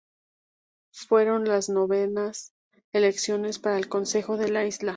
Fueron las novenas elecciones para el Consejo de la Isla.